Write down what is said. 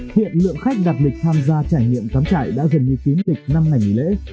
hiện lượng khách đặt lịch tham gia trải nghiệm cắm trải đã gần như kín tịch năm này dịp nghỉ lễ